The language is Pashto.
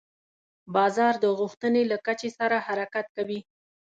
بازار د غوښتنې له کچې سره حرکت کوي.